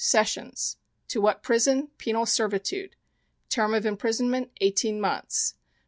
Sessions To what Prison..............Penal Servitude Term of Imprisonment........Eighteen months.